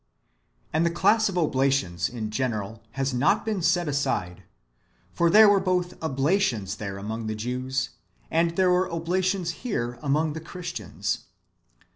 And the class of oblations in general has not been set aside ; for there were both oblations there [among the Jews], and there are oblations here [among the Christians].